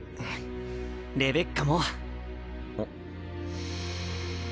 レベッカも。